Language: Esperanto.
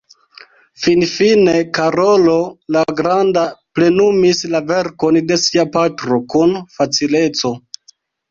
Finfine Karolo la Granda plenumis la verkon de sia patro kun facileco.